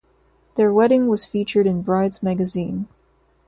Their wedding was featured in Brides Magazine.